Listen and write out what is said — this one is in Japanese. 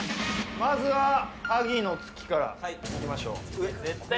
まずは萩の月からいきましょう